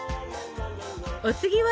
お次は？